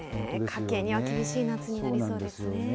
家計には厳しい夏になりそうですね。